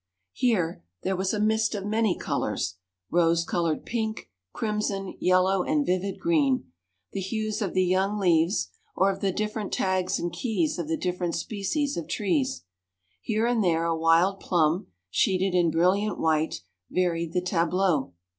Here there was a mist of many colors, rose colored, pink, crimson, yellow, and vivid green, the hues of the young leaves, or of the different tags and keys of the different species of trees. Here and there a wild plum, sheeted in brilliant white, varied the tableau.